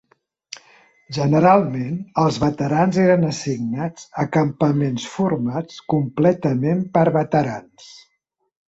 Generalment els veterans eren assignats a campaments formats completament per veterans.